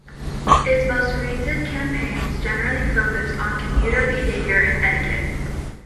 Its most recent campaigns generally focused on commuter behaviour and etiquette.